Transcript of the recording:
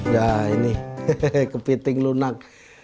nah ini kepiting lunak